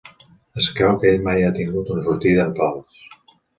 Es creu que ell mai ha tingut una sortida en fals.